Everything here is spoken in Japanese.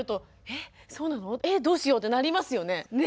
「えっどうしよう」ってなりますよね。